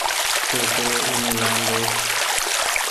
تو ڪيوي اوني لآن ۮئو